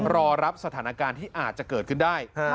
รอรับสถานการณ์ที่อาจจะเกิดขึ้นได้